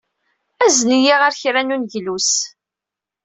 Azen-iyi ɣer kra n uneglus!